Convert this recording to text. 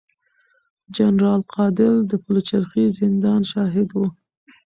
جنرال قادر د پلچرخي زندان شاهد و.